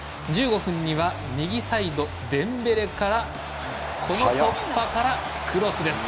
１５分には右サイド、デンベレのこの突破からクロスです。